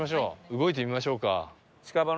動いてみましょうか。